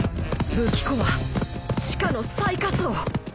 武器庫は地下の最下層